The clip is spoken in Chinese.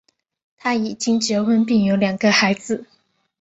他已经结婚并有两个孩子。